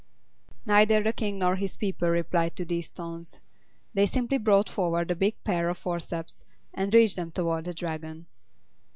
Neither the King nor his people replied to these taunts. They simply brought forward the big pair of forceps and reached them toward the Dragon.